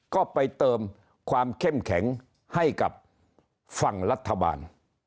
ก็ไปเติมความเข้มแข็งให้กับฝั่งรัฐบาล